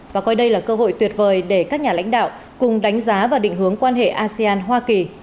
và coi đây là cơ hội tuyệt vời để các nhà lãnh đạo cùng đánh giá và định hướng quan hệ asean hoa kỳ